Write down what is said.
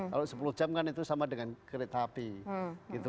kalau sepuluh jam kan itu sama dengan kereta api gitu